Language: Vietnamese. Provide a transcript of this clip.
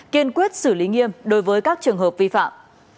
kiên quyết xử lý nghiêm đối với các trường hợp vi phạm